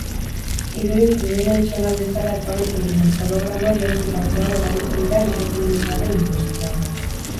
Irudi tridimentsional bezala ezagutzen diren hologramak geroz eta gehiago erabiltzen dira entretenimenduaren industrian.